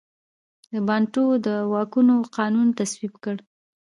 د بانټو د واکونو قانون تصویب کړ.